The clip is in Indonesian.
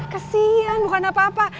kesian bukan apa apa